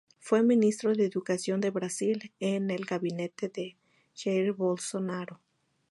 Fue Ministro de Educación de Brasil en el gabinete de Jair Bolsonaro.